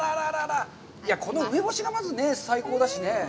この梅干しが、まず最高だしね。